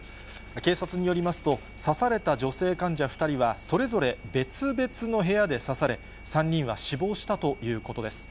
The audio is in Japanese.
警察によりますと、刺された女性患者２人は、それぞれ別々の部屋で刺され、３人は死亡したということです。